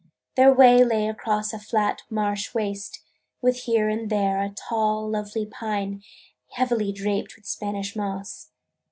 Their way lay across a flat marsh waste, with here and there a tall, lonely pine, heavily draped with Spanish moss.